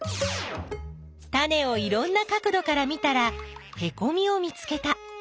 タネをいろんな角どから見たらへこみを見つけた。